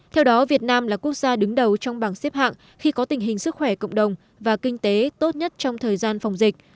theo đó việt nam là quốc gia đứng đầu trong bảng xếp hạng khi có tình hình sức khỏe cộng đồng và kinh tế tốt nhất trong thời gian phòng dịch